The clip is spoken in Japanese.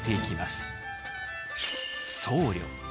僧侶。